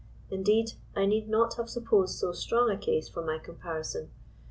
Indeed I need not have supposed so strong a case for my comparison.